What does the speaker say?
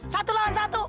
satu lawan satu